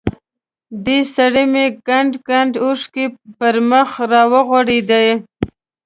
دې سره مې کنډ کنډ اوښکې پر مخ را ورغړېدې.